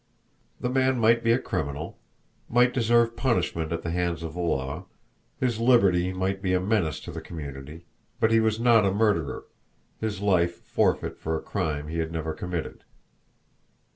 The man might be a criminal, might deserve punishment at the hands of the law, his liberty might be a menace to the community but he was not a murderer, his life forfeit for a crime he had never committed!